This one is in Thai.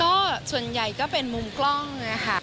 ก็ส่วนใหญ่ก็เป็นมุมกล้องเลยค่ะ